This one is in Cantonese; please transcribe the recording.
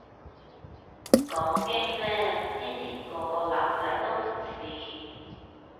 講經咩，之前個個男仔都唔試